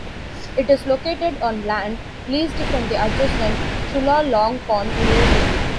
It is located on land leased from the adjacent Chulalongkorn University.